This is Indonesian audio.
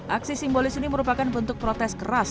aksi simbolis ini merupakan bentuk protes keras